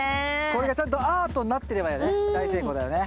これがちゃんとアートになってればやね